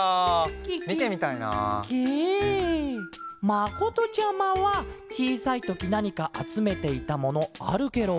まことちゃまはちいさいときなにかあつめていたものあるケロ？